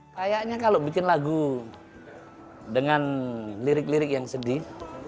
kayaknya kalau bikin lagu dengan lirik lirik yang sedih